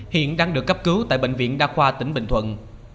hiện đang được cấp cứu tại bệnh viện đa khoa tỉnh bình thuận